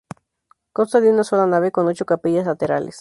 Consta de una sola nave con ocho capillas laterales.